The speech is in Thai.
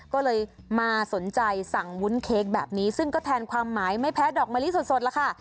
ก็เลยมาสนใจสั่งวุ้นเค้กแบบนี้ซึ่งก็แทนความหมายไม่แพ้ดอกมะลิสดแล้วค่ะ